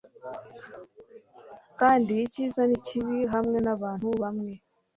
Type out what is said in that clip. Kandi icyiza nikibi hamwe nabantu bamwe